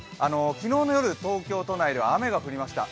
昨日の夜、東京都内では雨が降りました。